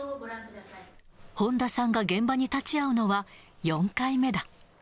本多さんが現場に立ち会うのは４回目だ。